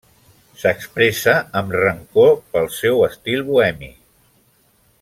S'expressa amb rancor pel seu estil bohemi.